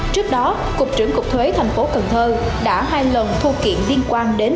trước đó cục trưởng cục thuế tp cần thơ đã hai lần thu kiện liên quan đến